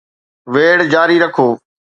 ويڙهه جاري رکو